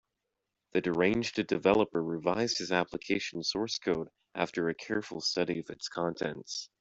The deranged developer revised his application source code after a careful study of its contents.